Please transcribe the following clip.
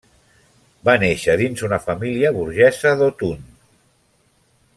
Va néixer dins una família burgesa d'Autun.